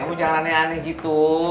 kamu jangan aneh aneh gitu